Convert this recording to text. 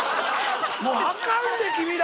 もうあかんで君ら！